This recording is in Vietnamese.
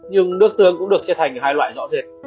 nhưng nước tương cũng được chia thành hai loại rõ rệt